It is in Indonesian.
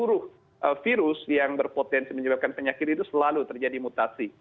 tidak hanya virus corona seluruh virus yang berpotensi menyebabkan penyakit itu selalu terjadi mutasi